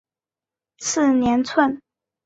次年卒。